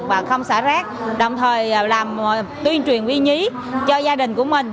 và không xả rác đồng thời làm tuyên truyền uy nhí cho gia đình của mình